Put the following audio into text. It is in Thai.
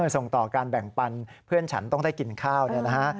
ส่งต่อการแบ่งปันเพื่อนฉันต้องได้กินข้าวเนี่ยนะฮะ